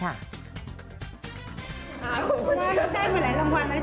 ขอบคุณค่ะได้หลายรางวัลแล้วใช่ไหม